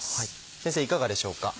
先生いかがでしょうか？